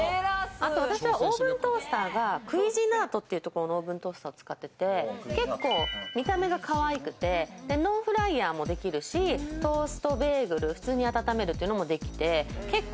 オーブントースターはクイジナートというところのオーブントースターを使ってて、結構見た目がかわいくてのフライヤーもできるし、トーストベーグル、普通に温めるのもできるって。